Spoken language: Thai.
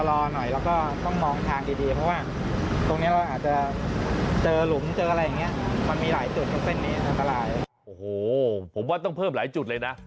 โอ้โหผมว่าต้องเพิ่มหลายจุดเลยนะ